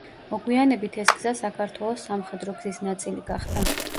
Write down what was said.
მოგვიანებით ეს გზა საქართველოს სამხედრო გზის ნაწილი გახდა.